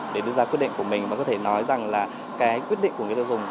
để đưa ra quyết định của mình và có thể nói rằng là cái quyết định của người tiêu dùng